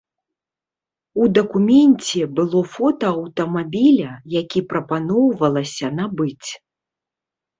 У дакуменце было фота аўтамабіля, які прапаноўвалася набыць.